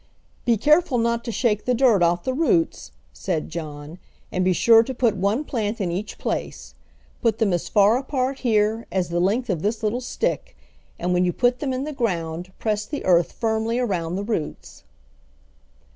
"Be careful not to shake the dirt off the roots," said John, "and be sure to put one plant in each place. Put them as far apart here as the length of this little stick, and when you put them in the ground press the earth firmly around the roots."